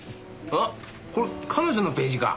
あっこれ彼女のページか。